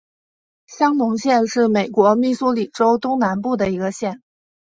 香农县是美国密苏里州东南部的一个县。